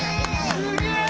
すげえ！